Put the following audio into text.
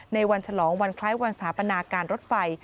ในวันฉลองวันคล้ายวันสถาปนาการรถไฟ